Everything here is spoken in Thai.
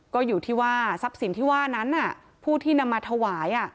ก็อยู่ที่ว่าทรัพย์สินที่ว่านั้นผู้ที่นำมาถวาย